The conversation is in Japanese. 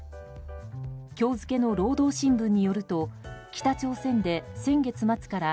今日付の労働新聞によると北朝鮮で先月末から